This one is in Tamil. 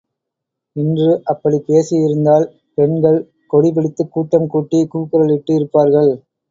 இன்று அப்படிப் பேசி இருந்தால் பெண்கள் கொடி பிடித்துக் கூட்டம் கூட்டிக் கூக்குரல் இட்டு இருப்பார்கள்.